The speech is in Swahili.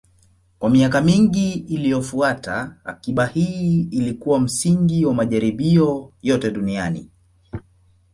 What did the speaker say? Kwa miaka mingi iliyofuata, akiba hii ilikuwa msingi wa majaribio yote duniani.